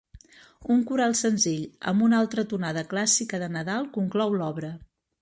Un coral senzill, amb una altra tonada clàssica de Nadal, conclou l’obra.